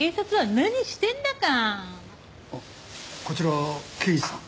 あっこちら刑事さん。